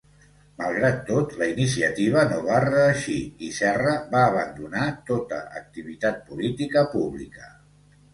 Malgrat tot, la iniciativa no va reeixir i Serra va abandonar tota activitat política pública.